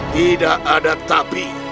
tidak ada tapi